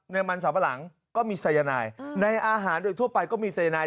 ในมันสัมปะหลังก็มีสายนายในอาหารโดยทั่วไปก็มีสายนาย